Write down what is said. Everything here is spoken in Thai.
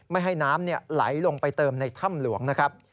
ไม่ให้น้ำไหลลงไปเติมในถ้ำหลวงนะครับ